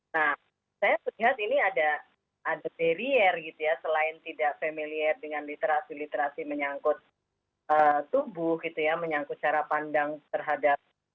nah saya melihat ini ada barrier gitu ya selain tidak familiar dengan literasi literasi menyangkut tubuh gitu ya menyangkut cara pandang terhadap